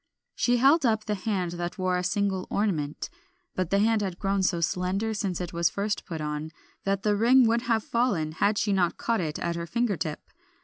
She held up the hand that wore a single ornament; but the hand had grown so slender since it was first put on, that the ring would have fallen had she not caught it at her finger tip.